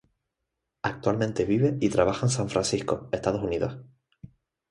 Actualmente vive y trabaja en San Francisco, Estados Unidos.